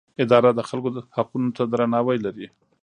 اداره د خلکو حقونو ته درناوی لري.